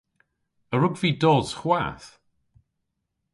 A wrug vy dos hwath?